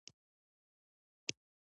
چې هوس ونه کړي